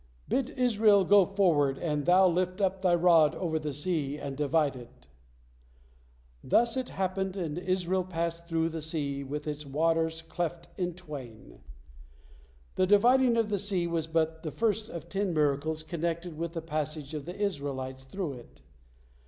Bid Israel go forward, and thou lift up thy rod over the sea, and divide it." Thus it happened, and Israel passed through the sea with its water cleft in twain. The dividing of the sea was but the first of ten miracles connected with the passage of the Israelites through it.